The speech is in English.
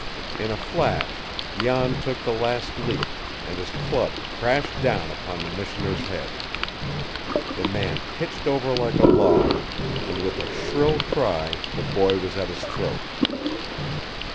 In a flash Jan took the last leap, and his club crashed down upon the missioner's head. The man pitched over like a log, and with a shrill cry the boy was at his throat.